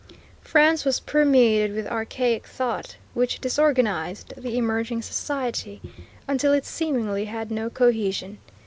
France was permeated with archaic thought which disorganized the emerging society until it seemingly had no cohesion.